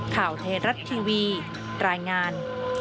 ข่าวไทยรัฐทีวีรายงาน